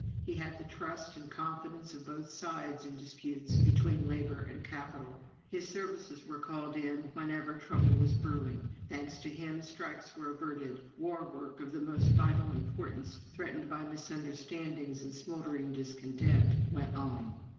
He had the trust and confidence of both sides in disputes between labor and capital; his services were called in whenever trouble was brewing. ... Thanks to him, strikes were averted; war work of the most vital importance, threatened by misunderstandings and smouldering discontent, went on."